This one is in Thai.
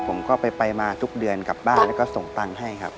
ผมก็ไปมาทุกเดือนกลับบ้านแล้วก็ส่งตังค์ให้ครับ